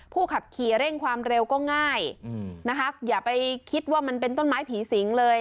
ขับขี่เร่งความเร็วก็ง่ายนะคะอย่าไปคิดว่ามันเป็นต้นไม้ผีสิงเลย